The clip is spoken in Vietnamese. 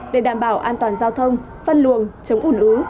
để đảm bảo an toàn giao thông phân luồng chống ủn ứ